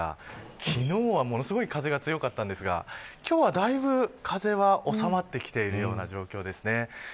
昨日は、ものすごい風が強かったんですか今日はだいぶ風が収まってきている状況です。